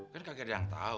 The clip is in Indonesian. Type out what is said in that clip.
kan kagak ada yang tahu